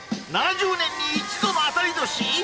７０年に一度の当たり年！？